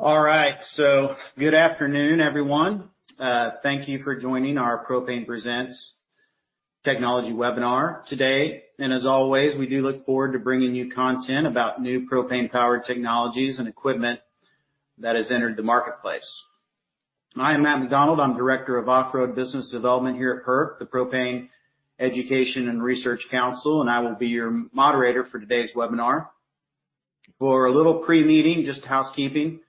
Good afternoon, everyone. Thank you for joining our Propane Presents technology webinar today. As always, we do look forward to bringing you content about new propane-powered technologies and equipment that has entered the marketplace. I am Matt McDonald. I am Director of Off-Road Business Development here at PERC, the Propane Education & Research Council, and I will be your moderator for today's webinar. For a little pre-meeting, just housekeeping,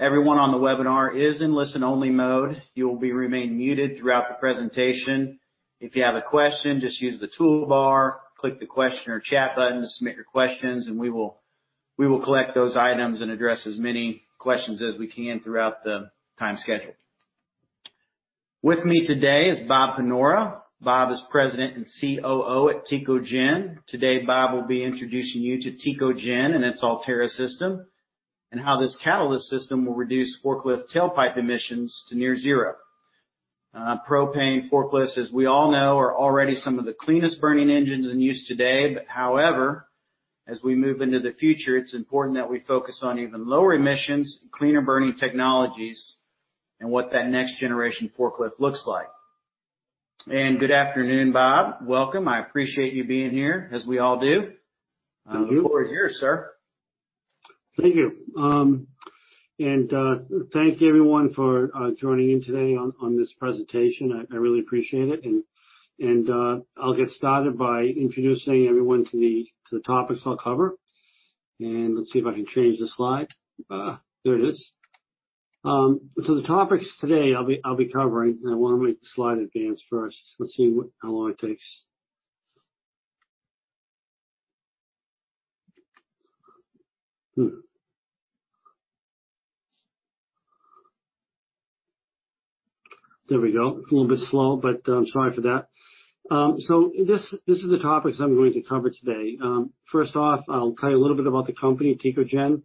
everyone on the webinar is in listen-only mode. You will remain muted throughout the presentation. If you have a question, just use the toolbar, click the question or chat button to submit your questions and we will collect those items and address as many questions as we can throughout the time scheduled. With me today is Bob Panora. Bob is President and COO at Tecogen. Today, Bob will be introducing you to Tecogen and its ALTAIR system, how this catalyst system will reduce forklift tailpipe emissions to near zero. Propane forklifts, as we all know, are already some of the cleanest burning engines in use today. However, as we move into the future, it's important that we focus on even lower emissions, cleaner burning technologies, and what that next generation forklift looks like. Good afternoon, Bob. Welcome. I appreciate you being here as we all do. Thank you. Look forward to hear, sir. Thank you. Thank you everyone for joining in today on this presentation. I really appreciate it. I'll get started by introducing everyone to the topics I'll cover. Let's see if I can change the slide. There it is. The topics today I'll be covering. I want to make the slide advance first. Let's see how long it takes. There we go. It's a little bit slow, but I'm sorry for that. This is the topics I'm going to cover today. First off, I'll tell you a little bit about the company, Tecogen.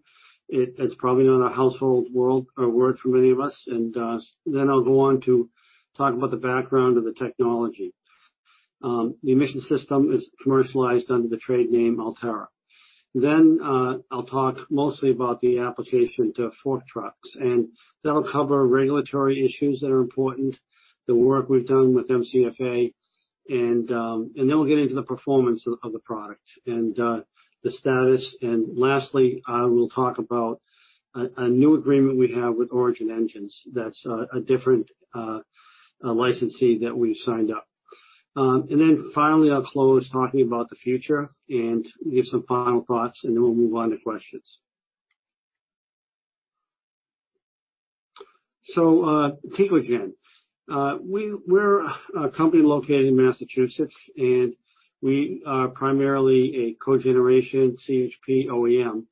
It is probably not a household word for many of us. Then I'll go on to talk about the background of the technology. The emission system is commercialized under the trade name, ALTAIR. I'll talk mostly about the application to fork trucks, and that'll cover regulatory issues that are important, the work we've done with MCFA, and then we'll get into the performance of the product and the status. Lastly, I will talk about a new agreement we have with Origin Engines. That's a different licensee that we've signed up. Finally, I'll close talking about the future and give some final thoughts. Then we'll move on to questions. Tecogen. We're a company located in Massachusetts, and we are primarily a cogeneration CHP OEM.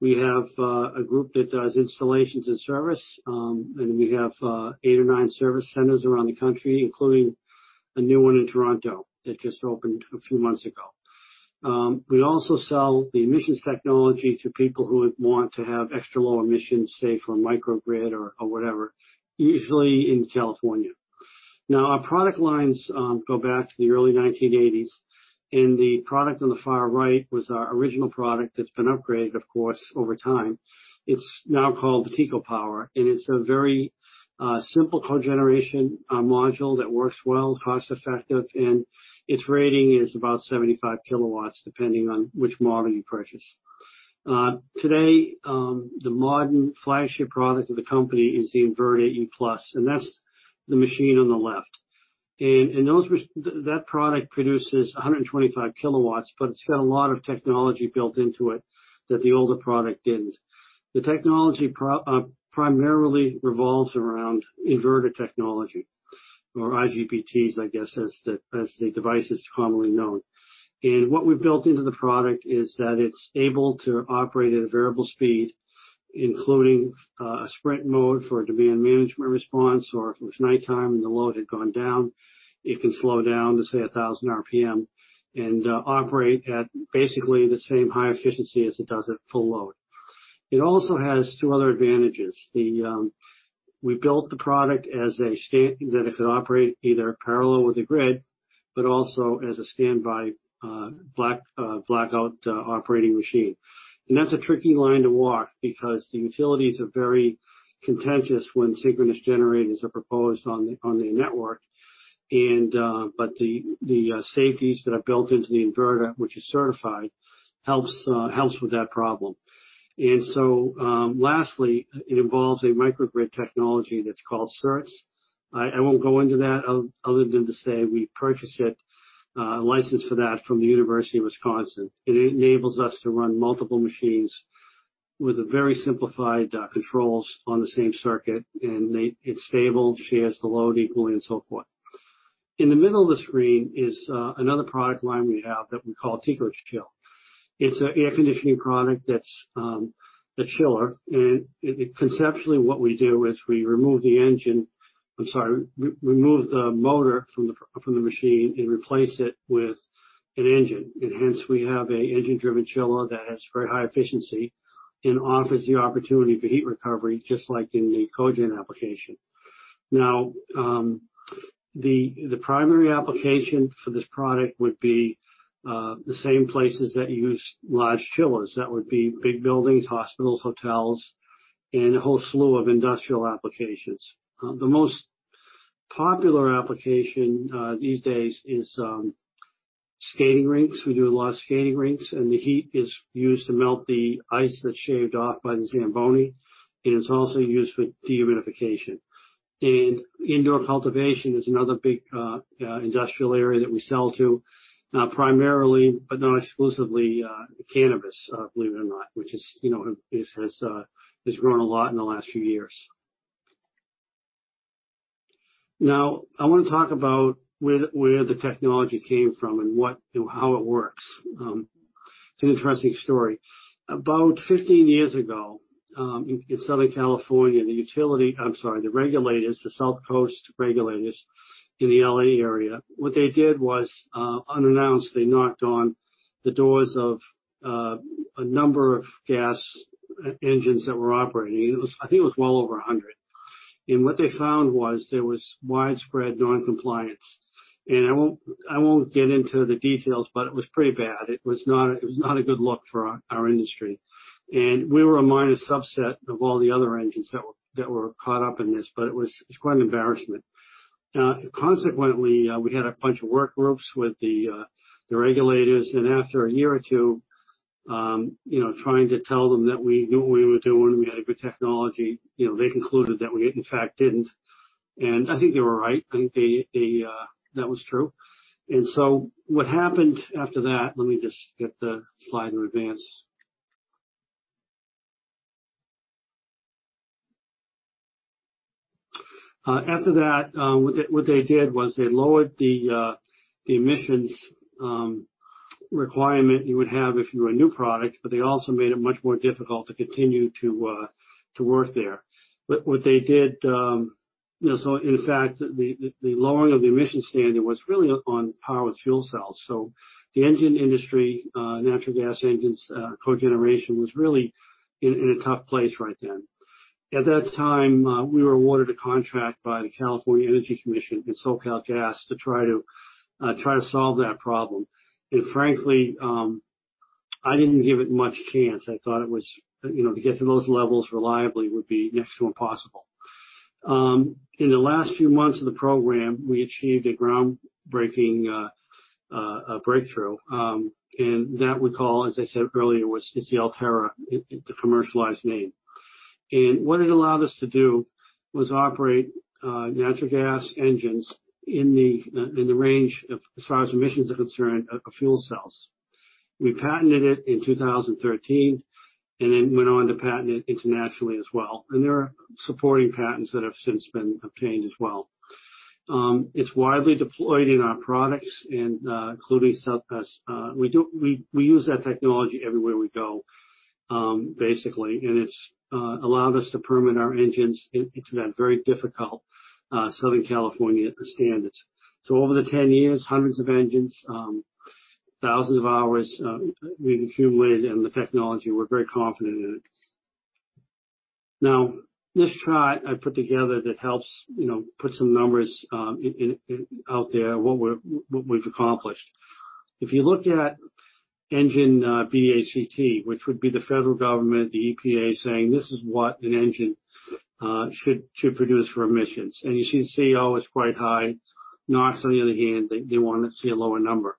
We have eight or nine service centers around the country, including a new one in Toronto that just opened a few months ago. We also sell the emissions technology to people who want to have extra low emissions, say, for a microgrid or whatever, usually in California. Our product lines go back to the early 1980s, and the product on the far right was our original product that's been upgraded, of course, over time. It's now called the Teco Power. It is a very simple cogeneration module that works well, cost-effective, and its rating is about 75 kilowatts, depending on which model you purchase. Today, the modern flagship product of the company is the InVerde e+. That's the machine on the left. That product produces 125 kilowatts, but it's got a lot of technology built into it that the older product didn't. The technology primarily revolves around inverter technology, or IGBTs, I guess as the device is commonly known. What we've built into the product is that it's able to operate at a variable speed, including a sprint mode for a demand management response, or if it's nighttime and the load had gone down, it can slow down to, say, 1,000 RPM and operate at basically the same high efficiency as it does at full load. It also has two other advantages. We built the product as a state that it could operate either parallel with the grid, but also as a standby blackout operating machine. That's a tricky line to walk because the utilities are very contentious when synchronous generators are proposed on their network. The safeties that are built into the inverter, which is certified, helps with that problem. Lastly, it involves a microgrid technology that's called CERTS. I won't go into that other than to say we purchased it, license for that from the University of Wisconsin. It enables us to run multiple machines with very simplified controls on the same circuit, and it's stable, shares the load equally, and so forth. In the middle of the screen is another product line we have that we call TECOCHILL. It's an air conditioning product that's a chiller. Conceptually what we do is we remove the engine I'm sorry, remove the motor from the machine and replace it with an engine. Hence we have an engine-driven chiller that has very high efficiency and offers the opportunity for heat recovery, just like in the cogen application. The primary application for this product would be the same places that use large chillers. That would be big buildings, hospitals, hotels, and a whole slew of industrial applications. The most popular application these days is skating rinks. We do a lot of skating rinks, and the heat is used to melt the ice that's shaved off by the Zamboni, and it's also used for dehumidification. Indoor cultivation is another big industrial area that we sell to. Primarily, but not exclusively, cannabis, believe it or not, which has grown a lot in the last few years. I want to talk about where the technology came from and how it works. It's an interesting story. About 15 years ago, in Southern California, the regulators, the South Coast Regulators in the L.A. area, what they did was, unannounced, they knocked on the doors of a number of gas engines that were operating. I think it was well over 100. What they found was there was widespread non-compliance. I won't get into the details, but it was pretty bad. It was not a good look for our industry. We were a minor subset of all the other engines that were caught up in this, but it was quite an embarrassment. Consequently, we had a bunch of work groups with the regulators, and after a year or two, trying to tell them that we knew what we were doing, we had a good technology, they concluded that we, in fact, didn't. I think they were right. I think that was true. What happened after that, let me just get the slide to advance. After that, what they did was they lowered the emissions requirement you would have if you were a new product, but they also made it much more difficult to continue to work there. In fact, the lowering of the emissions standard was really on powered fuel cells. The engine industry, natural gas engines, cogeneration, was really in a tough place right then. At that time, we were awarded a contract by the California Energy Commission and SoCalGas to try to solve that problem. Frankly, I didn't give it much chance. I thought to get to those levels reliably would be next to impossible. In the last few months of the program, we achieved a groundbreaking breakthrough, and that we call, as I said earlier, is the Ultera, the commercialized name. What it allowed us to do was operate natural gas engines in the range, as far as emissions are concerned, of fuel cells. We patented it in 2013, and then went on to patent it internationally as well. There are supporting patents that have since been obtained as well. It's widely deployed in our products including SoCalGas. We use that technology everywhere we go, basically. It's allowed us to permit our engines into that very difficult Southern California standards. Over the 10 years, hundreds of engines, thousands of hours we've accumulated, and the technology, we're very confident in it. This chart I put together that helps put some numbers out there, what we've accomplished. If you look at engine BACT, which would be the federal government, the EPA saying, "This is what an engine should produce for emissions." You see the CO is quite high. NOx, on the other hand, they want to see a lower number.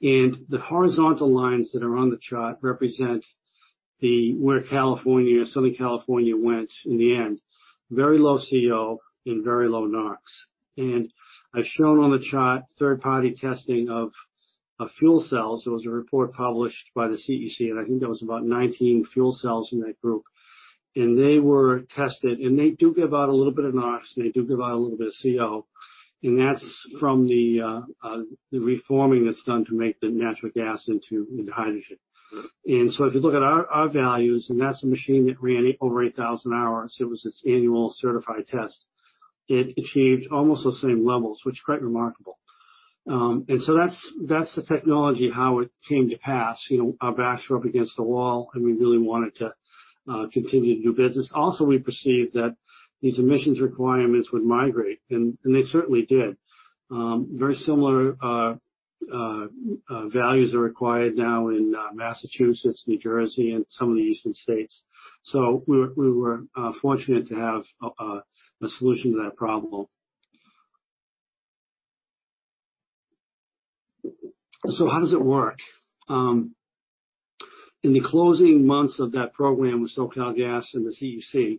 The horizontal lines that are on the chart represent where California, Southern California went in the end. Very low CO and very low NOx. I've shown on the chart third-party testing of a fuel cell. It was a report published by the CEC, and I think there was about 19 fuel cells in that group. They were tested, and they do give out a little bit of NOx, and they do give out a little bit of CO, and that's from the reforming that's done to make the natural gas into hydrogen. If you look at our values, and that's a machine that ran over 8,000 hours, it was its annual certified test. It achieved almost the same levels, which is quite remarkable. That's the technology, how it came to pass. Our backs were up against the wall, and we really wanted to continue to do business. We perceived that these emissions requirements would migrate, and they certainly did. Very similar values are required now in Massachusetts, New Jersey, and some of the eastern states. We were fortunate to have a solution to that problem. How does it work? In the closing months of that program with SoCalGas and the CEC,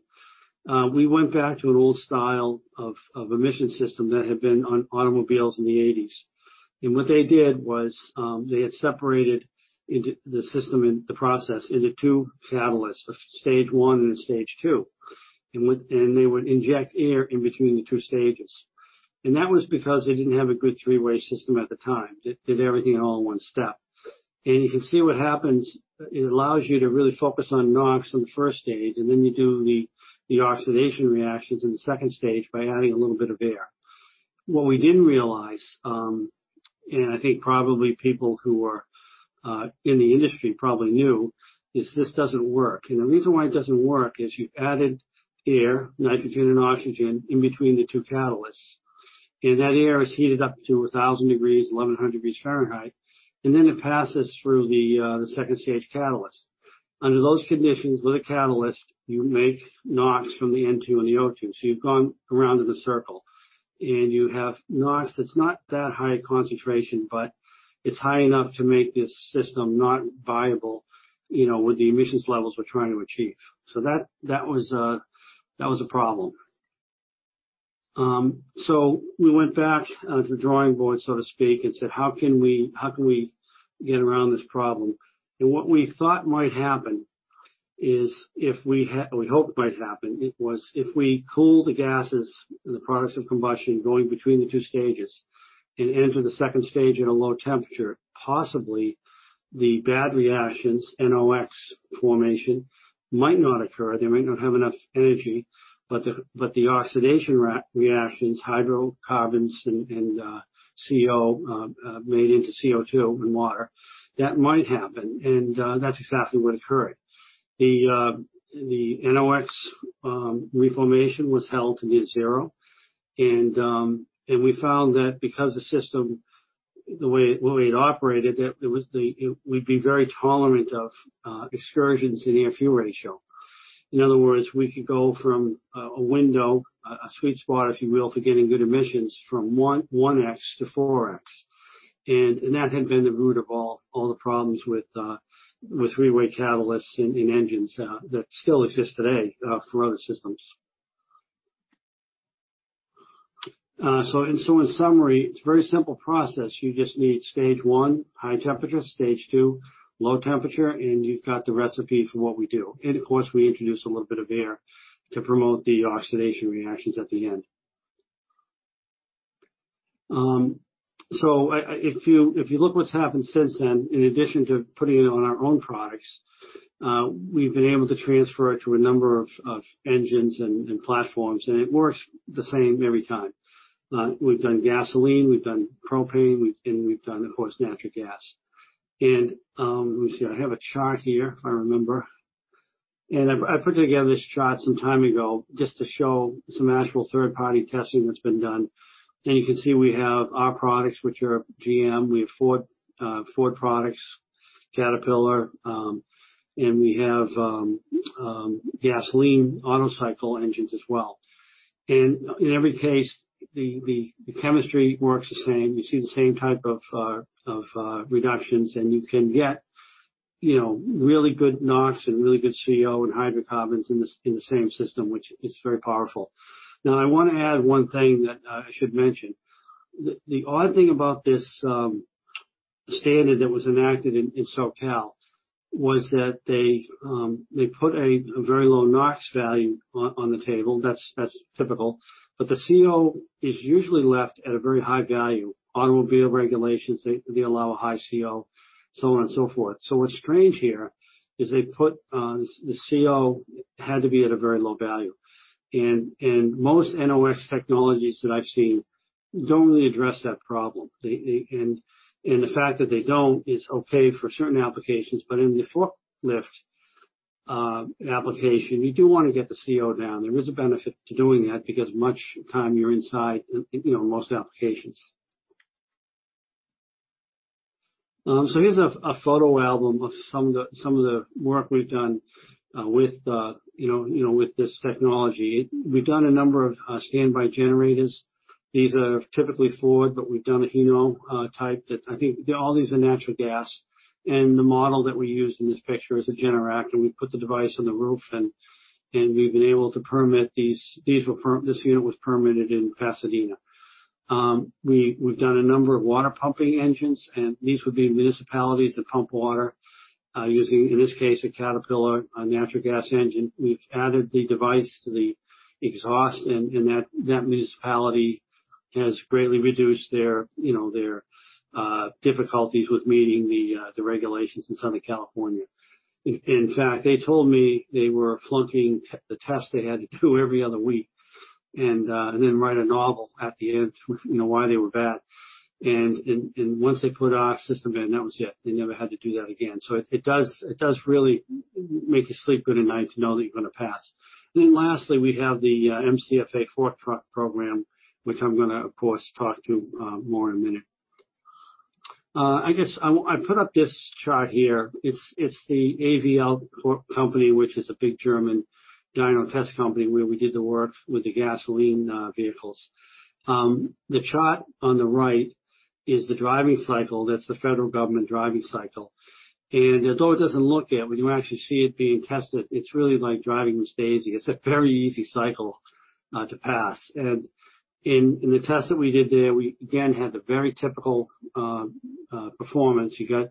we went back to an old style of emission system that had been on automobiles in the '80s. What they did was, they had separated the system in the process into 2 catalysts, a stage 1 and a stage 2. They would inject air in between the 2 stages. That was because they didn't have a good three-way system at the time that did everything all in 1 step. You can see what happens, it allows you to really focus on NOx in the first stage, and then you do the oxidation reactions in the second stage by adding a little bit of air. What we didn't realize, and I think probably people who are in the industry probably knew, is this doesn't work. The reason why it doesn't work is you've added air, nitrogen and oxygen, in between the 2 catalysts. That air is heated up to 1,000 degrees, 1,100 degrees Fahrenheit, and then it passes through the second stage catalyst. Under those conditions with a catalyst, you make NOx from the N2 and the O2. You've gone around in a circle. You have NOx that's not that high a concentration, but it's high enough to make this system not viable, with the emissions levels we're trying to achieve. That was a problem. We went back to the drawing board, so to speak, and said, "How can we get around this problem?" What we thought might happen is if we, or we hoped might happen, it was if we cool the gases and the products of combustion going between the 2 stages and enter the 2nd stage at a low temperature, possibly the bad reactions, NOx formation, might not occur. They might not have enough energy. The oxidation reactions, hydrocarbons and CO made into CO2 and water, that might happen and that's exactly what occurred. The NOx reformation was held to near zero and we found that because the system, the way it operated, that we'd be very tolerant of excursions in Air-Fuel Ratio. In other words, we could go from a window, a sweet spot, if you will, for getting good emissions from one X to four X. That had been the root of all the problems with three-way catalysts in engines that still exist today for other systems. In summary, it's a very simple process. You just need stage 1, high temperature, stage 2, low temperature, and you've got the recipe for what we do. Of course, we introduce a little bit of air to promote the oxidation reactions at the end. If you look what's happened since then, in addition to putting it on our own products, we've been able to transfer it to a number of engines and platforms, and it works the same every time. We've done gasoline, we've done propane, and we've done, of course, natural gas. Let me see. I have a chart here, if I remember. I put together this chart some time ago just to show some actual third-party testing that's been done. You can see we have our products, which are GM, we have Ford products, Caterpillar, and we have gasoline Otto cycle engines as well. In every case, the chemistry works the same. You see the same type of reductions, and you can get really good NOx and really good CO and hydrocarbons in the same system, which is very powerful. Now I want to add one thing that I should mention. The odd thing about this standard that was enacted in SoCal was that they put a very low NOx value on the table. That's typical. The CO is usually left at a very high value. Automobile regulations, they allow a high CO, so on and so forth. What's strange here is they put the CO had to be at a very low value. Most NOx technologies that I've seen don't really address that problem. The fact that they don't is okay for certain applications, but in the forklift application, you do want to get the CO down. There is a benefit to doing that because much time you're inside, most applications. Here's a photo album of some of the work we've done with this technology. We've done a number of standby generators. These are typically Ford, but we've done a Hino type. I think all these are natural gas. The model that we use in this picture is a Generac, and we put the device on the roof and we've been able to permit these. This unit was permitted in Pasadena. We've done a number of water pumping engines, and these would be municipalities that pump water using, in this case, a Caterpillar, a natural gas engine. We've added the device to the exhaust, and that municipality has greatly reduced their difficulties with meeting the regulations in Southern California. In fact, they told me they were flunking the test they had to do every other week, then write a novel at the end, why they were bad. Once they put our system in, that was it. They never had to do that again. It does really make you sleep good at night to know that you're going to pass. Lastly, we have the MCFA fork truck program, which I'm gonna, of course, talk to more in a minute. I guess I put up this chart here. It's the AVL company, which is a big German dyno test company where we did the work with the gasoline vehicles. The chart on the right is the driving cycle. That's the federal government driving cycle. Although it doesn't look it, when you actually see it being tested, it's really like driving with Daisy. It's a very easy cycle to pass. In the test that we did there, we again had the very typical performance. You got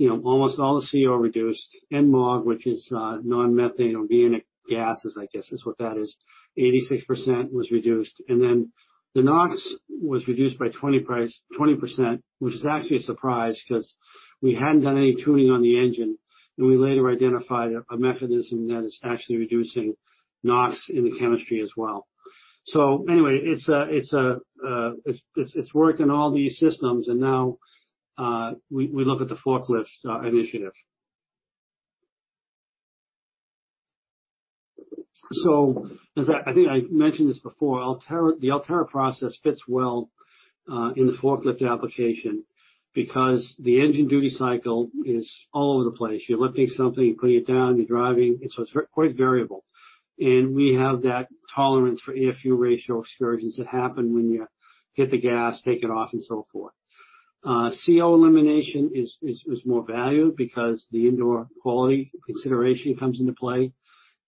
almost all the CO reduced. NMOG, which is non-methane organic gases, I guess, is what that is. 86% was reduced. The NOx was reduced by 20%, which is actually a surprise because we hadn't done any tuning on the engine, and we later identified a mechanism that is actually reducing NOx in the chemistry as well. Anyway, it's worked in all these systems, and now we look at the forklift initiative. I think I mentioned this before, the Ultera process fits well in the forklift application because the engine duty cycle is all over the place. You're lifting something, you're putting it down, you're driving. It's quite variable. We have that tolerance for AFR ratio excursions that happen when you hit the gas, take it off, and so forth. CO elimination is more valued because the indoor quality consideration comes into play.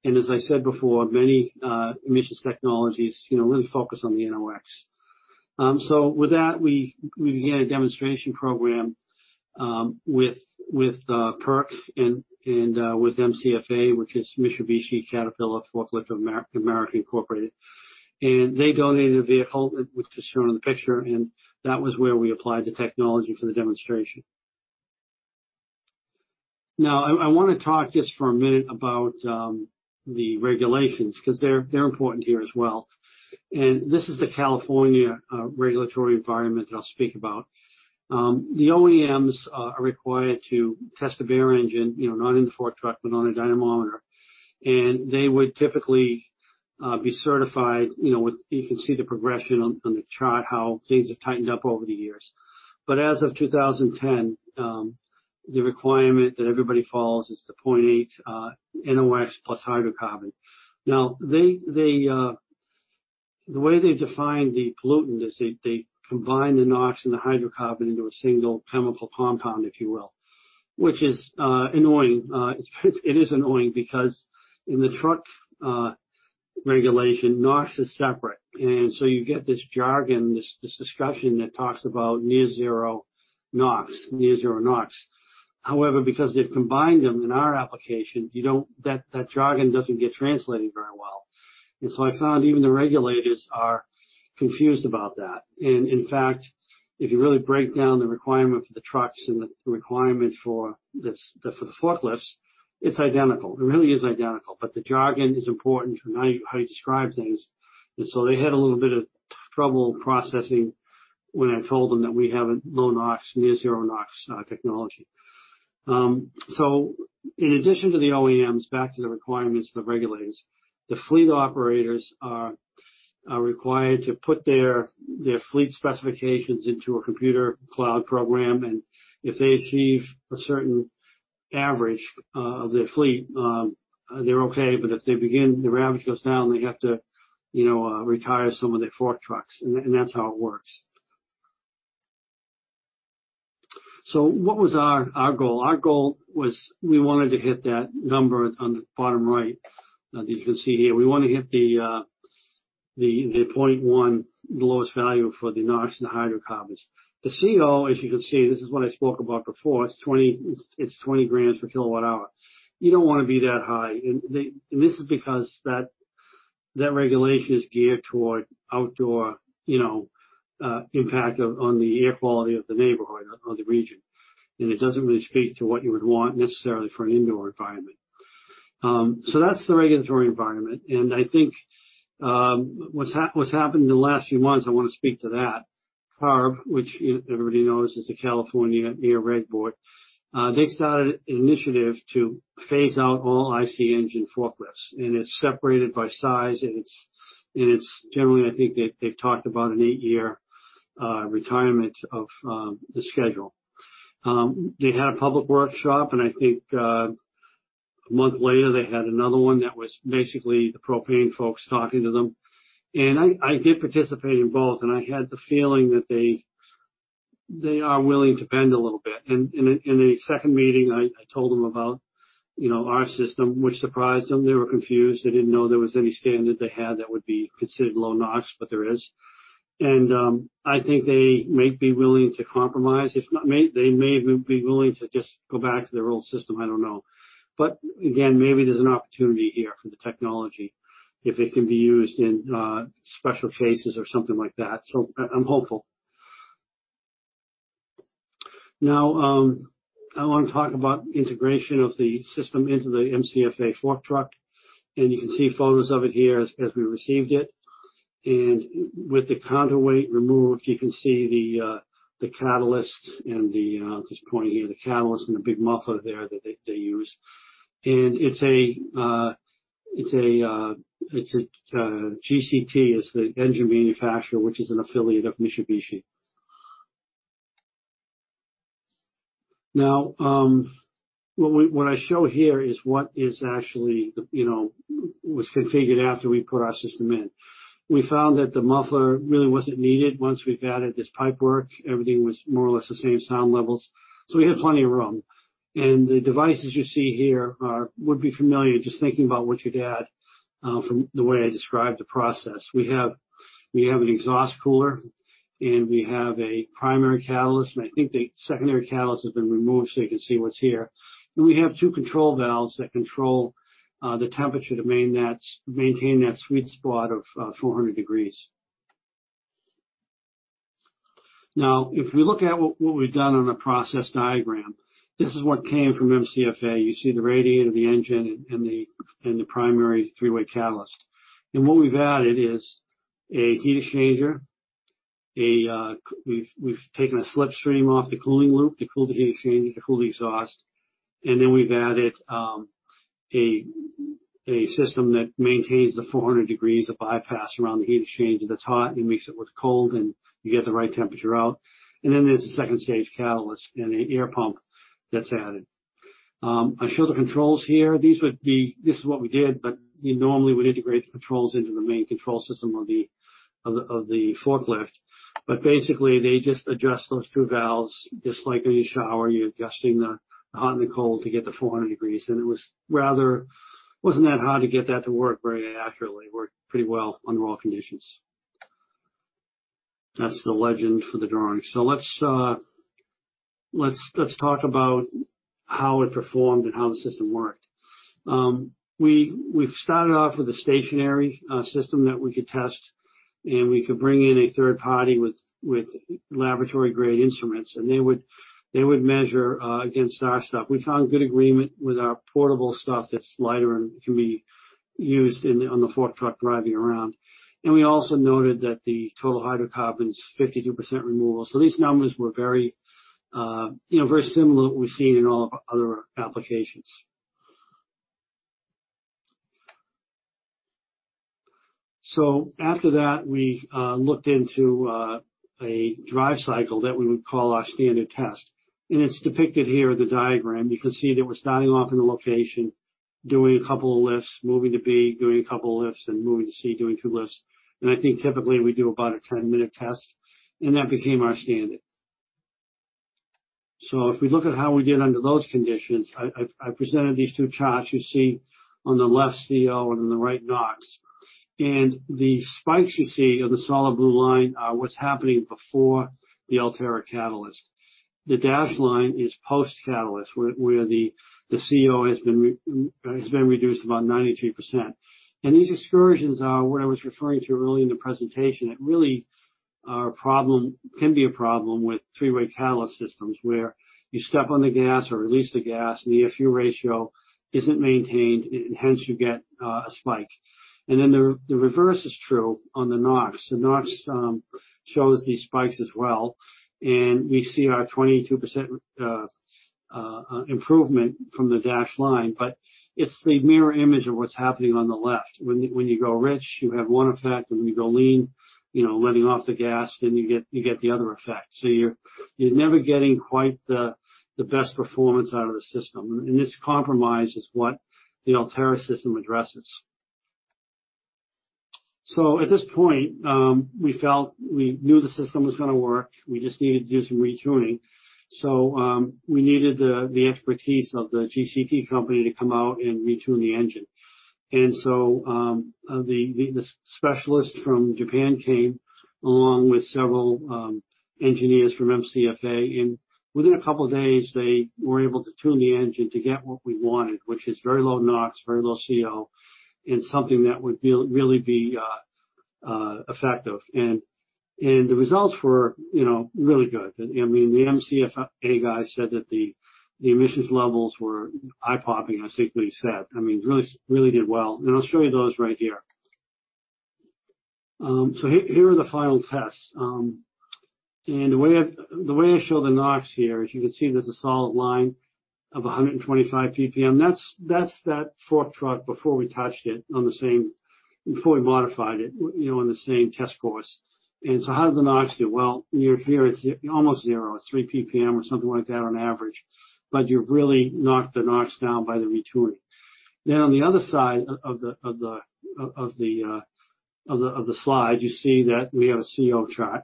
As I said before, many emissions technologies really focus on the NOx. With that, we began a demonstration program with PERC and with MCFA, which is Mitsubishi Caterpillar Forklift of America Incorporated. They donated a vehicle, which is shown in the picture, and that was where we applied the technology for the demonstration. Now, I want to talk just for a minute about the regulations, because they're important here as well. This is the California regulatory environment that I'll speak about. The OEMs are required to test a bare engine, not in the fork truck, but on a dynamometer. They would typically be certified with, you can see the progression on the chart, how things have tightened up over the years. As of 2010, the requirement that everybody follows is the 0.8 NOx plus hydrocarbon. Now, the way they define the pollutant is they combine the NOx and the hydrocarbon into a single chemical compound, if you will, which is annoying. It is annoying because in the truck regulation, NOx is separate. You get this jargon, this discussion that talks about near zero NOx. However, because they've combined them in our application, that jargon doesn't get translated very well. I found even the regulators are confused about that. In fact, if you really break down the requirement for the trucks and the requirement for the forklifts, it's identical. It really is identical. The jargon is important for how you describe things. They had a little bit of trouble processing when I told them that we have a low NOx, near zero NOx technology. In addition to the OEMs, back to the requirements of the regulators, the fleet operators are required to put their fleet specifications into a computer cloud program. If they achieve a certain average of their fleet, they're okay. If their average goes down, they have to retire some of their fork trucks. That's how it works. What was our goal? Our goal was we wanted to hit that number on the bottom right that you can see here. We want to hit the 0.1 lowest value for the NOx and hydrocarbons. The CO, as you can see, this is what I spoke about before. It's 20 grams per kilowatt hour. You don't want to be that high. This is because that regulation is geared toward outdoor impact on the air quality of the neighborhood or the region. It doesn't really speak to what you would want necessarily for an indoor environment. That's the regulatory environment. I think what's happened in the last few months, I want to speak to that. CARB, which everybody knows is the California air reg board. They started an initiative to phase out all IC engine forklifts, and it's separated by size, and it's generally, I think they've talked about an eight-year retirement of the schedule. They had a public workshop, I think a month later, they had another one that was basically the propane folks talking to them. I did participate in both, and I had the feeling that they are willing to bend a little bit. In the second meeting, I told them about our system, which surprised them. They were confused. They didn't know there was any standard they had that would be considered low NOx, but there is. I think they might be willing to compromise. They may be willing to just go back to their old system, I don't know. Again, maybe there's an opportunity here for the technology if it can be used in special cases or something like that. I'm hopeful. I want to talk about integration of the system into the MCFA fork truck, and you can see photos of it here as we received it. With the counterweight removed, you can see the catalyst and the, I'll just point here, the catalyst and the big muffler there that they use. GCT is the engine manufacturer, which is an affiliate of Mitsubishi. What I show here is what was configured after we put our system in. We found that the muffler really wasn't needed once we've added this pipework. Everything was more or less the same sound levels. We had plenty of room. The devices you see here would be familiar just thinking about what you'd add from the way I described the process. We have an exhaust cooler, we have a primary catalyst, I think the secondary catalyst has been removed so you can see what's here. We have two control valves that control the temperature to maintain that sweet spot of 400 degrees. If we look at what we've done on a process diagram, this is what came from MCFA. You see the radiator, the engine, and the primary three-way catalyst. What we've added is a heat exchanger. We've taken a slip stream off the cooling loop to cool the heat exchanger, to cool the exhaust, then we've added a system that maintains the 400 degrees of bypass around the heat exchanger that's hot and mix it with cold, you get the right temperature out. Then there's a second stage catalyst and an air pump that's added. I show the controls here. This is what we did, you normally would integrate the controls into the main control system of the forklift. Basically, they just adjust those two valves, just like in your shower, you're adjusting the hot and the cold to get the 400 degrees. It wasn't that hard to get that to work very accurately. Worked pretty well under all conditions. That's the legend for the drawing. Let's talk about how it performed and how the system worked. We've started off with a stationary system that we could test, we could bring in a third party with laboratory grade instruments, they would measure against our stuff. We found good agreement with our portable stuff that's lighter and can be used on the fork truck driving around. We also noted that the total hydrocarbon's 52% removal. These numbers were very similar to what we've seen in all of our other applications. After that, we looked into a drive cycle that we would call our standard test, it's depicted here, the diagram. You can see that we're starting off in the location, doing a couple of lifts, moving to B, doing a couple of lifts, moving to C, doing two lifts. I think typically we do about a 10-minute test, that became our standard. If we look at how we did under those conditions, I've presented these two charts. You see on the left, CO, on the right, NOx. The spikes you see of the solid blue line are what's happening before the Ultera catalyst. The dashed line is post-catalyst, where the CO has been reduced about 93%. These excursions are what I was referring to earlier in the presentation. It really can be a problem with three-way catalyst systems, where you step on the gas or release the gas, the AFR isn't maintained. Hence, you get a spike. Then the reverse is true on the NOx. The NOx shows these spikes as well, we see our 22% improvement from the dashed line. It's the mirror image of what's happening on the left. When you go rich, you have one effect, when you go lean, letting off the gas, you get the other effect. You're never getting quite the best performance out of the system, this compromise is what the Ultera system addresses. At this point, we knew the system was gonna work. We just needed to do some retuning. We needed the expertise of the GCT company to come out and retune the engine. The specialist from Japan came, along with several engineers from MCFA, and within a couple of days, they were able to tune the engine to get what we wanted, which is very low NOx, very low CO, and something that would really be effective. The results were really good. The MCFA guy said that the emissions levels were eye-popping, I think he said. Really did well. I'll show you those right here. Here are the final tests. The way I show the NOx here is you can see there's a solid line of 125 PPM. That's that fork truck before we modified it on the same test course. How did the NOx do? Here it's almost zero. It's three PPM or something like that on average. You've really knocked the NOx down by the retuning. On the other side of the slide, you see that we have a CO chart,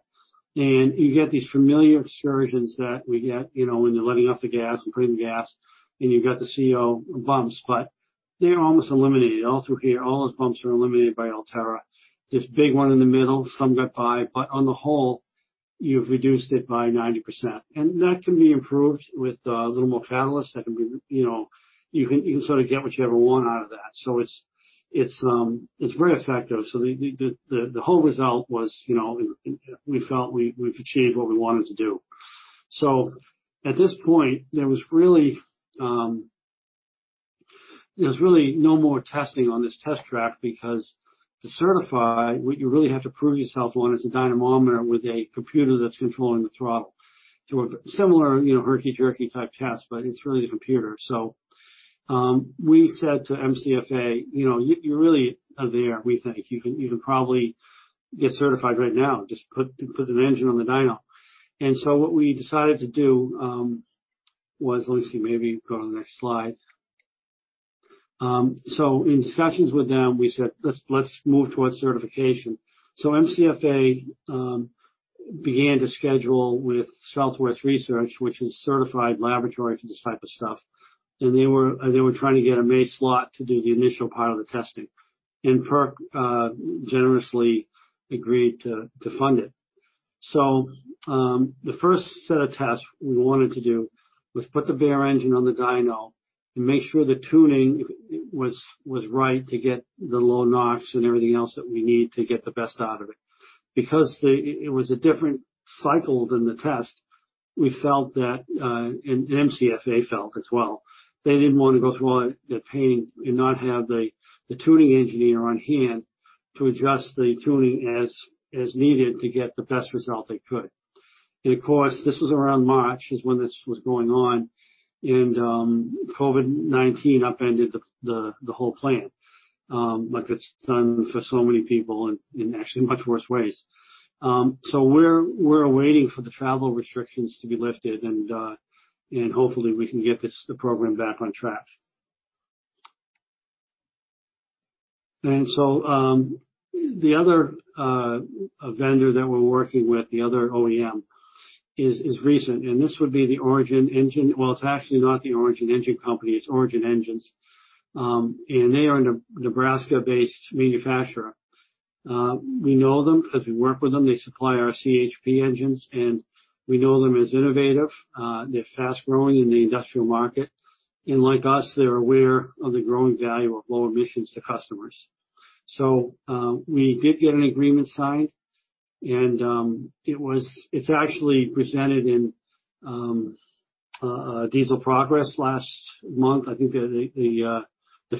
and you get these familiar excursions that we get when you're letting off the gas and putting the gas, and you've got the CO bumps, but they're almost eliminated. All through here, all those bumps are eliminated by Ultera. This big one in the middle, some got by, but on the whole, you've reduced it by 90%, and that can be improved with a little more catalyst. You can sort of get whatever you want out of that. It's very effective. The whole result was we felt we've achieved what we wanted to do. At this point, there's really no more testing on this test track because to certify, what you really have to prove yourself on is a dynamometer with a computer that's controlling the throttle to a similar herky-jerky type test, but it's really the computer. We said to MCFA, "You really are there, we think. You can probably get certified right now. Just put an engine on the dyno." What we decided to do was Lucy, maybe go to the next slide. In sessions with them, we said, "Let's move towards certification." MCFA began to schedule with Southwest Research, which is a certified laboratory for this type of stuff, and they were trying to get a May slot to do the initial part of the testing. PERC generously agreed to fund it. The first set of tests we wanted to do was put the bare engine on the dyno and make sure the tuning was right to get the low NOx and everything else that we need to get the best out of it. Because it was a different cycle than the test, we felt that, and MCFA felt as well, they didn't want to go through all that pain and not have the tuning engineer on-hand to adjust the tuning as needed to get the best result they could. This was around March, is when this was going on, and COVID-19 upended the whole plan, like it's done for so many people in actually much worse ways. We're waiting for the travel restrictions to be lifted and hopefully we can get the program back on track. The other vendor that we're working with, the other OEM, is recent, and this would be Origin Engines. They are a Nebraska-based manufacturer. We know them because we work with them. They supply our CHP engines, and we know them as innovative. They're fast-growing in the industrial market. Like us, they're aware of the growing value of low emissions to customers. We did get an agreement signed, and it's actually presented in Diesel Progress last month. I think the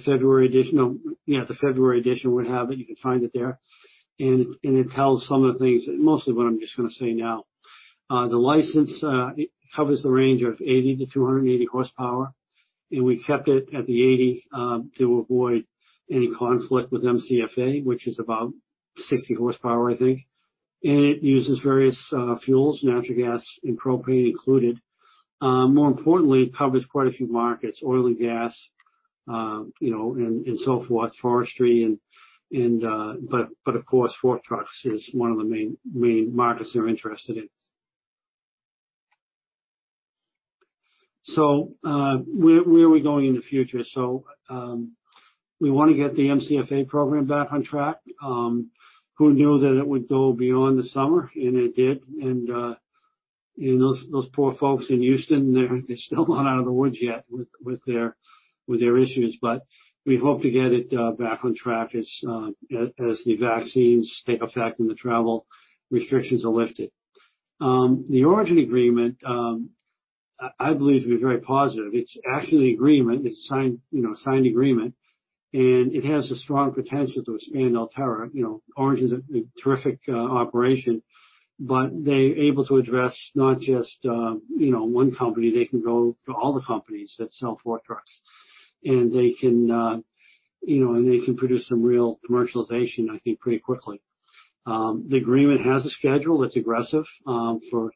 February edition would have it, you could find it there. It tells some of the things, mostly what I'm just going to say now. The license covers the range of 80 to 280 horsepower, and we kept it at the 80 to avoid any conflict with MCFA, which is about 60 horsepower, I think. It uses various fuels, natural gas and propane included. More importantly, it covers quite a few markets, oil and gas, and so forth, forestry. Of course, fork trucks is one of the main markets they're interested in. Where are we going in the future? We want to get the MCFA program back on track. Who knew that it would go beyond the summer? It did, and those poor folks in Houston, they're still not out of the woods yet with their issues, but we hope to get it back on track as the vaccines take effect and the travel restrictions are lifted. The Origin agreement, I believe, will be very positive. It's actually an agreement. It's a signed agreement, and it has a strong potential to expand Ultera. Origin's a terrific operation, they're able to address not just one company. They can go to all the companies that sell fork trucks, and they can produce some real commercialization, I think, pretty quickly. The agreement has a schedule that's aggressive for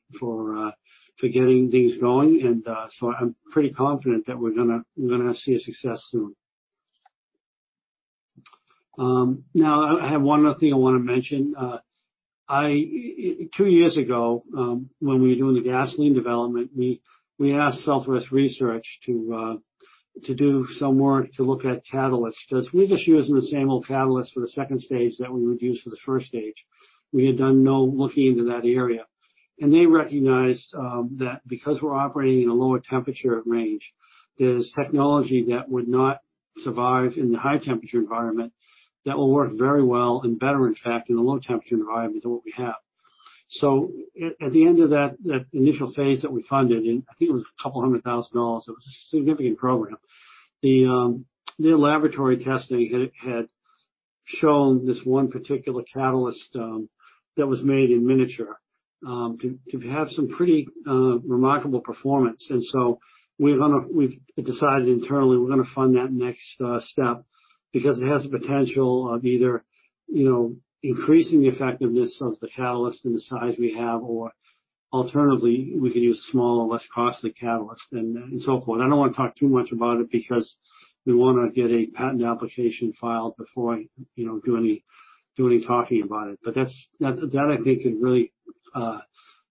getting things going. I'm pretty confident that we are going to see a success soon. Now, I have one other thing I want to mention. Two years ago, when we were doing the gasoline development, we asked Southwest Research to do some work to look at catalysts. We're just using the same old catalyst for the stage 2 that we would use for the stage 1. We had done no looking into that area. They recognized that because we're operating in a lower temperature range, there's technology that would not survive in the high-temperature environment that will work very well, and better in fact, in the low-temperature environment than what we have. At the end of that initial phase that we funded, and I think it was a couple hundred thousand dollars, it was a significant program. The laboratory testing had shown this one particular catalyst that was made in miniature to have some pretty remarkable performance. We've decided internally we are going to fund that next step because it has the potential of either increasing the effectiveness of the catalyst and the size we have or alternatively, we could use smaller, less costly catalyst and so forth. I don't want to talk too much about it because we want to get a patent application filed before I do any talking about it. That, I think, could really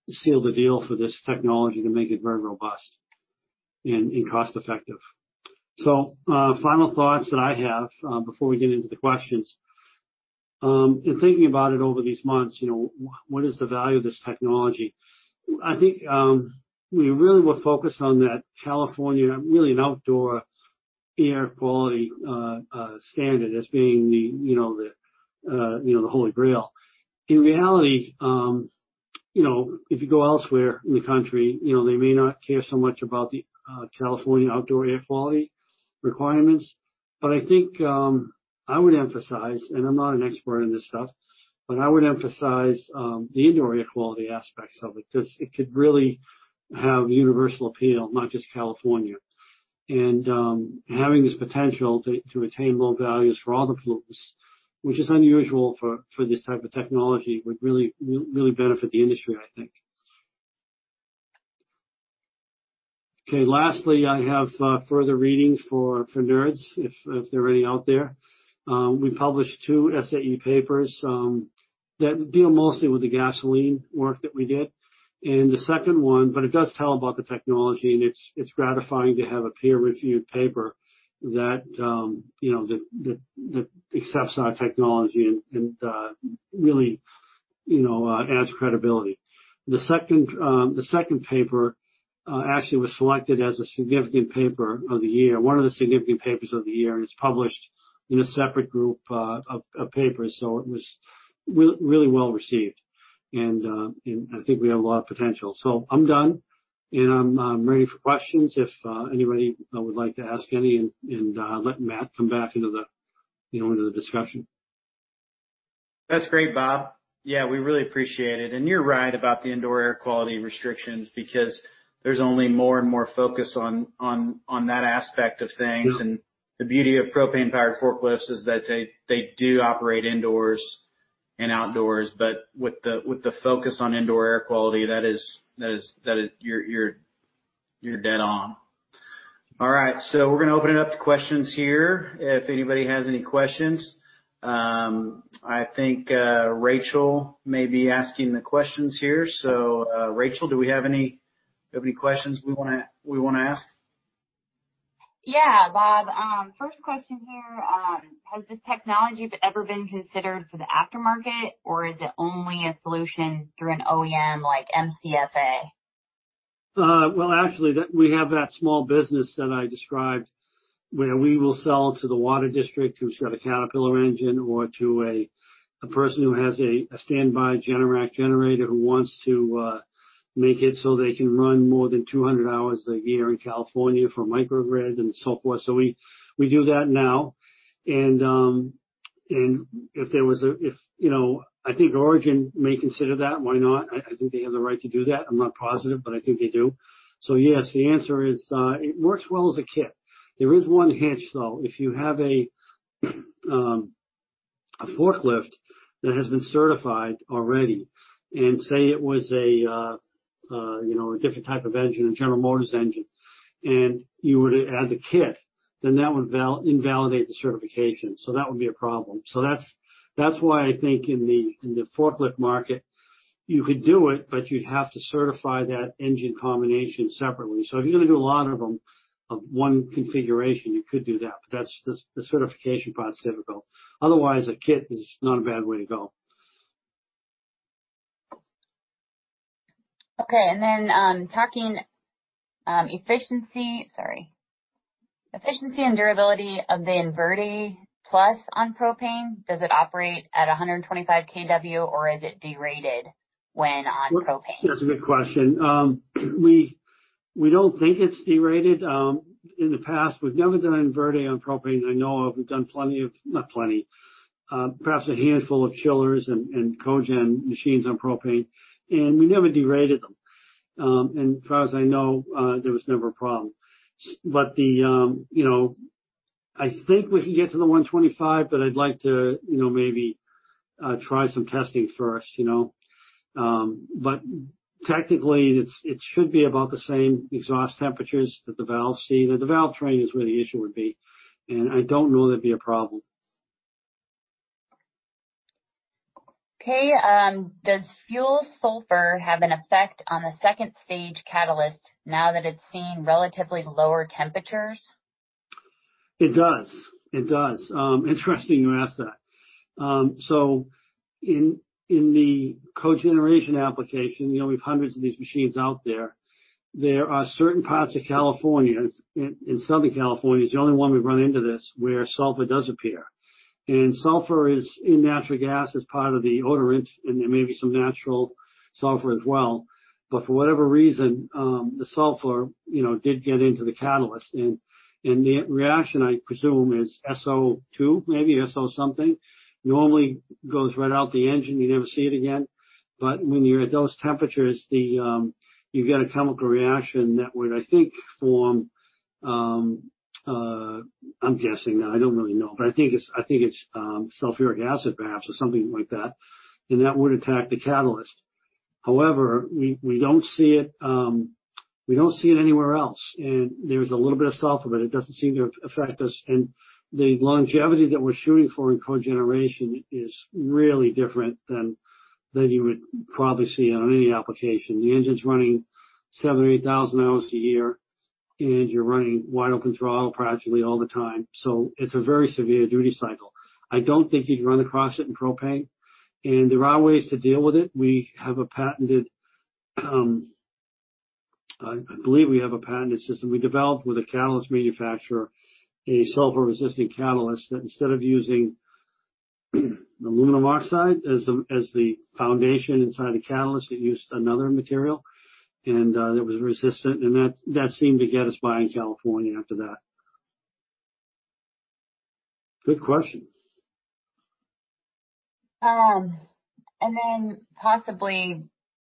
seal the deal for this technology to make it very robust and cost-effective. Final thoughts that I have before we get into the questions. In thinking about it over these months, what is the value of this technology? I think we really were focused on that California, really an outdoor air quality standard as being the holy grail. In reality, if you go elsewhere in the country, they may not care so much about the California outdoor air quality requirements. I think, I would emphasize, and I'm not an expert in this stuff, but I would emphasize the indoor air quality aspects of it, because it could really have universal appeal, not just California. Having this potential to attain low values for all the pollutants, which is unusual for this type of technology, would really benefit the industry, I think. Lastly, I have further reading for nerds, if they're any out there. We published two SAE papers that deal mostly with the gasoline work that we did. The second one, but it does tell about the technology, and it's gratifying to have a peer-reviewed paper that accepts our technology and really adds credibility. The second paper actually was selected as a significant paper of the year, one of the significant papers of the year, and it's published in a separate group of papers, so it was really well-received. I think we have a lot of potential. I'm done, and I'm ready for questions if anybody would like to ask any, and let Matt come back into the discussion. That's great, Bob. We really appreciate it. You're right about the indoor air quality restrictions, because there's only more and more focus on that aspect of things. Yeah. The beauty of propane-powered forklifts is that they do operate indoors and outdoors, but with the focus on indoor air quality, you're dead on. We're going to open it up to questions here. If anybody has any questions. I think Rachel may be asking the questions here. Rachel, do we have any questions we want to ask? Yeah, Bob. First question here, has this technology ever been considered for the aftermarket, or is it only a solution through an OEM like MCFA? Well, actually, we have that small business that I described where we will sell to the water district who's got a Caterpillar engine or to a person who has a standby Generac generator who wants to make it so they can run more than 200 hours a year in California for microgrids and so forth. We do that now. I think Origin may consider that. Why not? I think they have the right to do that. I'm not positive, but I think they do. Yes, the answer is it works well as a kit. There is one hitch, though. If you have a forklift that has been certified already, and say it was a different type of engine, a General Motors engine, and you were to add the kit, then that would invalidate the certification. That would be a problem. That's why I think in the forklift market, you could do it, but you'd have to certify that engine combination separately. If you're gonna do a lot of them of one configuration, you could do that, but the certification part's difficult. Otherwise, a kit is not a bad way to go. Okay, then talking efficiency, sorry, efficiency and durability of the InVerde Plus on propane, does it operate at 125 kW, or is it derated when on propane? That's a good question. We don't think it's derated. In the past, we've never done InVerde on propane that I know of. We've done plenty of, not plenty, perhaps a handful of chillers and cogen machines on propane, and we never derated them. As far as I know, there was never a problem. I think we can get to the 125, but I'd like to maybe try some testing first. Technically, it should be about the same exhaust temperatures that the valves see. The valve train is where the issue would be, and I don't know that'd be a problem. Okay. Does fuel sulfur have an effect on the 2 stage catalyst now that it's seeing relatively lower temperatures? It does. Interesting you ask that. In the cogeneration application, we've hundreds of these machines out there. There are certain parts of California, in Southern California, it's the only one we've run into this, where sulfur does appear. Sulfur is in natural gas as part of the odorant, and there may be some natural sulfur as well. For whatever reason, the sulfur did get into the catalyst, and the reaction, I presume, is SO2, maybe SO something. It normally goes right out the engine, you never see it again. When you're at those temperatures, you get a chemical reaction that would, I think, form, I'm guessing now, I don't really know, but I think it's sulfuric acid, perhaps, or something like that, and that would attack the catalyst. However, we don't see it anywhere else, and there's a little bit of sulfur, but it doesn't seem to affect us. The longevity that we're shooting for in cogeneration is really different than you would probably see on any application. The engine's running 78,000 hours a year, and you're running wide open throttle practically all the time. It's a very severe duty cycle. I don't think you'd run across it in propane, and there are ways to deal with it. We have a patented, I believe we have a patented system. We developed with a catalyst manufacturer, a sulfur-resistant catalyst that instead of using aluminum oxide as the foundation inside the catalyst, it used another material, and it was resistant, and that seemed to get us by in California after that. Good question.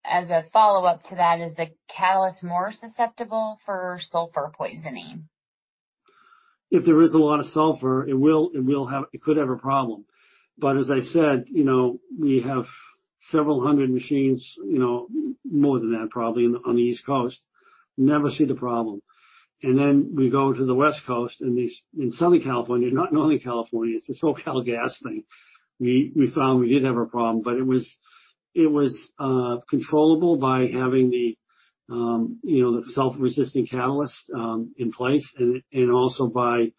Is the catalyst more susceptible for sulfur poisoning? If there is a lot of sulfur, it could have a problem. As I said, we have several hundred machines, more than that probably, on the East Coast never see the problem. We go to the West Coast, in Southern California, not Northern California, it's this SoCalGas thing, we found we did have a problem, but it was controllable by having the sulfur-resistant catalyst in place and also by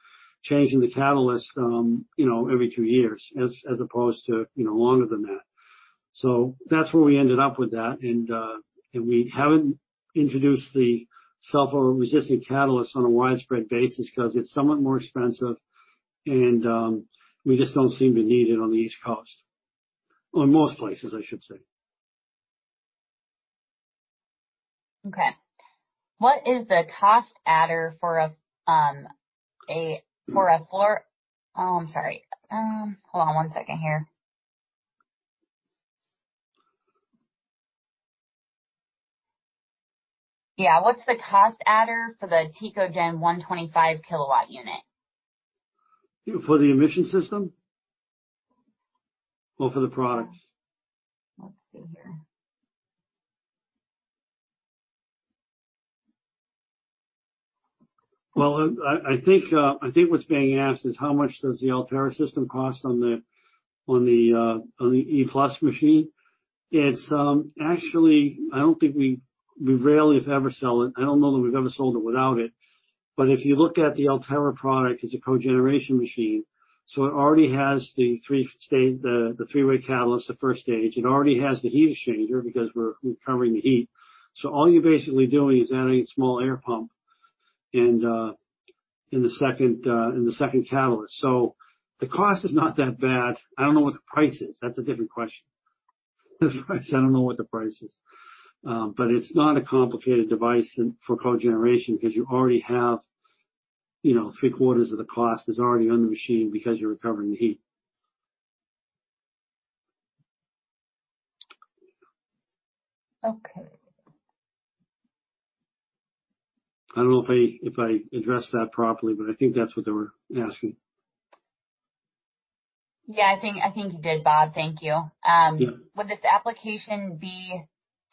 changing the catalyst every two years as opposed to longer than that. That's where we ended up with that. We haven't introduced the sulfur-resistant catalyst on a widespread basis because it's somewhat more expensive, and we just don't seem to need it on the East Coast. Most places, I should say. Okay. What's the cost adder for the Tecogen 125 kilowatt unit? For the emission system? For the products? Let's see here. Well, I think what's being asked is how much does the Ultera system cost on the e+ machine. It's actually, I don't think we rarely, if ever, sell it. I don't know that we've ever sold it without it. If you look at the Ultera product, it's a cogeneration machine, so it already has the three-way catalyst, the stage 1. It already has the heat exchanger because we're recovering the heat. All you're basically doing is adding a small air pump and the second catalyst. The cost is not that bad. I don't know what the price is. That's a different question. The price, I don't know what the price is. It's not a complicated device for cogeneration because you already have three-quarters of the cost is already on the machine because you're recovering the heat. Okay. I don't know if I addressed that properly, but I think that's what they were asking. Yeah, I think you did, Bob. Thank you. Yeah. Would this application be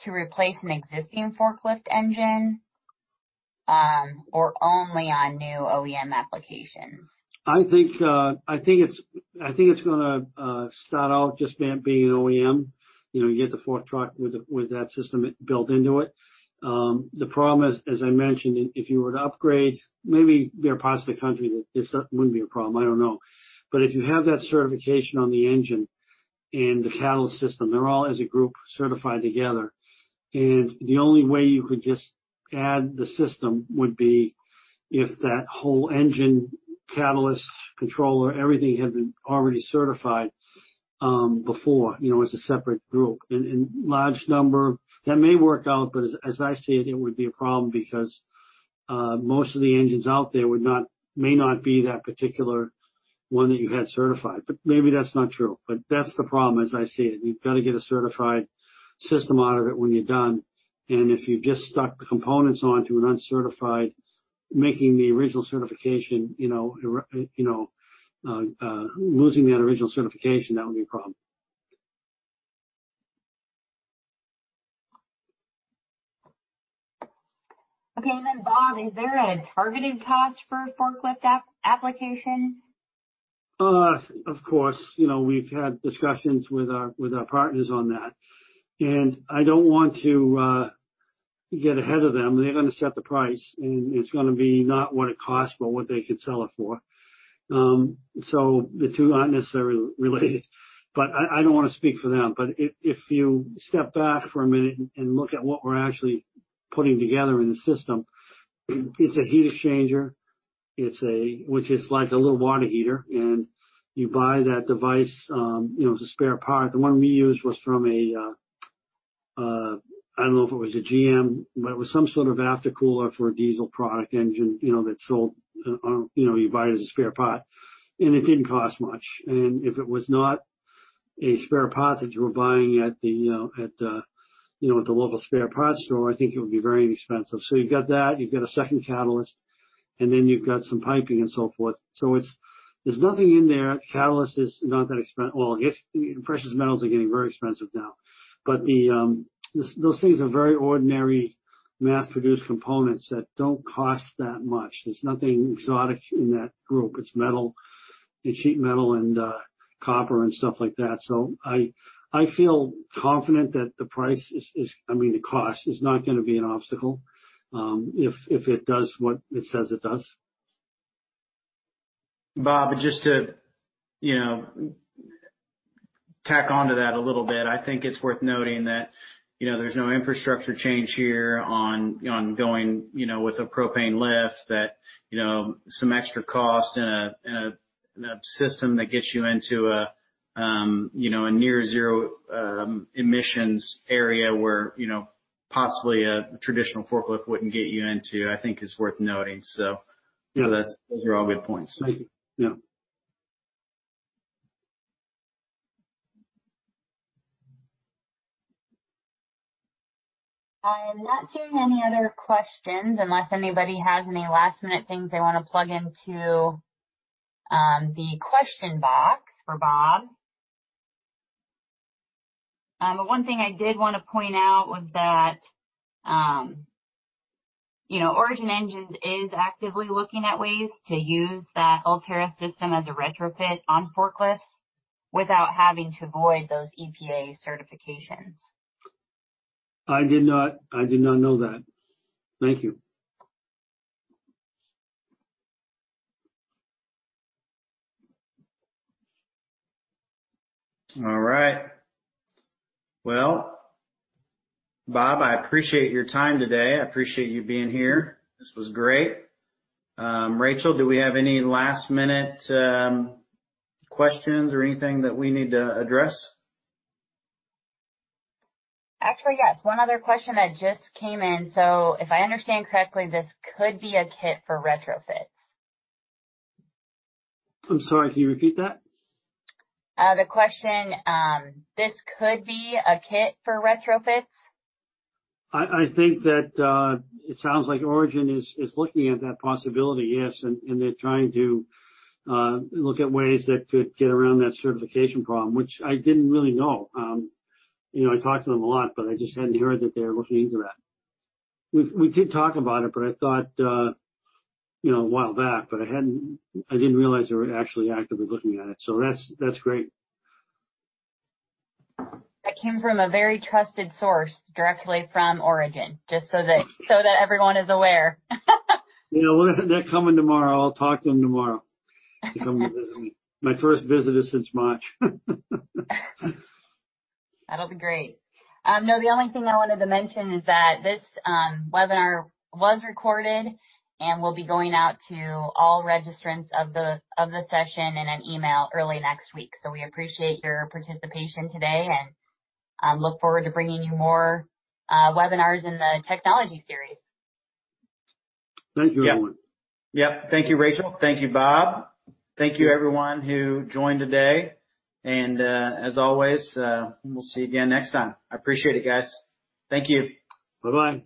to replace an existing forklift engine, or only on new OEM applications? I think it's going to start off just being an OEM. You get the fork truck with that system built into it. The problem is, as I mentioned, if you were to upgrade, maybe there are parts of the country that this wouldn't be a problem, I don't know. If you have that certification on the engine and the catalyst system, they're all as a group certified together. The only way you could just add the system would be if that whole engine, catalyst, controller, everything had been already certified before as a separate group. In large number, that may work out, as I see it would be a problem because most of the engines out there may not be that particular one that you had certified. Maybe that's not true. That's the problem as I see it. You've got to get a certified system out of it when you're done. If you just stuck the components onto an uncertified, making the original certification, losing that original certification, that would be a problem. Okay, Bob, is there a targeted cost for a forklift application? Of course. We've had discussions with our partners on that. I don't want to get ahead of them. They're going to set the price, and it's going to be not what it costs, but what they could sell it for. The two aren't necessarily related, but I don't want to speak for them. If you step back for a minute and look at what we're actually putting together in the system, it's a heat exchanger, which is like a little water heater, and you buy that device as a spare part. The one we used was from a, I don't know if it was a GM, but it was some sort of aftercooler for a diesel product engine, that you buy it as a spare part, and it didn't cost much. If it was not a spare part that you were buying at the local spare parts store, I think it would be very inexpensive. You've got that, you've got a second catalyst, and then you've got some piping and so forth. There's nothing in there, catalyst is not that expensive. Well, precious metals are getting very expensive now. Those things are very ordinary mass-produced components that don't cost that much. There's nothing exotic in that group. It's metal, and cheap metal and copper and stuff like that. I feel confident that the price is, I mean, the cost is not going to be an obstacle, if it does what it says it does. Bob, just to tack onto that a little bit. I think it's worth noting that there's no infrastructure change here on going with a propane lift that some extra cost and a system that gets you into a near zero emissions area where possibly a traditional forklift wouldn't get you into, I think is worth noting. Those are all good points. Thank you. Yeah. I am not seeing any other questions unless anybody has any last minute things they want to plug into the question box for Bob. One thing I did want to point out was that Origin Engines is actively looking at ways to use that Ultera system as a retrofit on forklifts without having to void those EPA certifications. I did not know that. Thank you. All right. Well, Bob, I appreciate your time today. I appreciate you being here. This was great. Rachel, do we have any last-minute questions or anything that we need to address? Actually, yes. One other question that just came in. If I understand correctly, this could be a kit for retrofits. I'm sorry, can you repeat that? The question, this could be a kit for retrofits? I think that it sounds like Origin is looking at that possibility, yes. They're trying to look at ways that could get around that certification problem, which I didn't really know. I talk to them a lot, but I just hadn't heard that they were looking into that. We did talk about it, but I thought a while back, but I didn't realize they were actually actively looking at it. That's great. That came from a very trusted source, directly from Origin, just so that everyone is aware. Yeah. Well, they're coming tomorrow. I'll talk to them tomorrow. They're coming to visit me. My first visitor since March. That'll be great. No, the only thing I wanted to mention is that this webinar was recorded and will be going out to all registrants of the session in an email early next week. We appreciate your participation today and look forward to bringing you more webinars in the technology series. Thank you, everyone. Yep. Thank you, Rachel. Thank you, Bob. Thank you everyone who joined today, and as always we'll see you again next time. I appreciate it, guys. Thank you. Bye-bye.